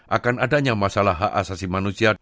akan adanya masalah hak asasi manusia